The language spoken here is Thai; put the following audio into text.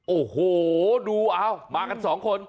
โอ้โหดูมากัน๒คน